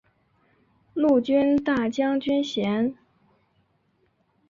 陆军大将军衔。